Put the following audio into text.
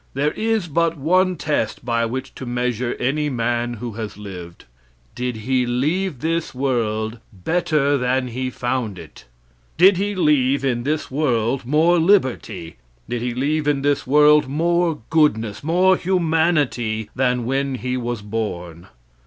There is but one test by which to measure any man who has lived. Did he leave this world better than he found it? Did he leave in this world more liberty? Did he leave in this world more goodness, more humanity, than when he was born?